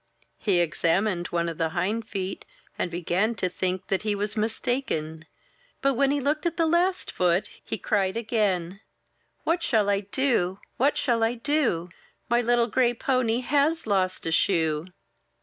He examined one of the hindfeet, and began to think that he was mistaken; but when he looked at the last foot, he cried again: — ''What shall I do? What shall I do? My little gray pony has lost a shoe!"